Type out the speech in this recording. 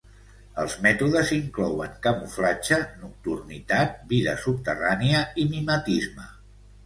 Els mètodes inclouen camuflatge, nocturnitat, vida subterrània i mimetisme.